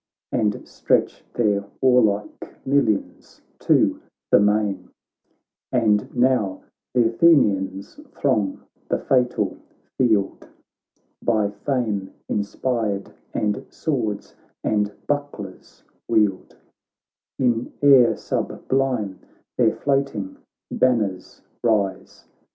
And stretch their warlike millions to the main ; And now th' Athenians throng the fatal field. By fame inspired, and swords and buck lers wield ; In air sublime their floating banners rise.